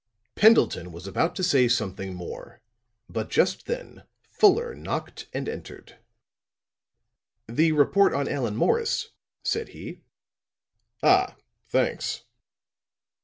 Pendleton was about to say something more, but just then Fuller knocked and entered. "The report on Allan Morris," said he. "Ah, thanks."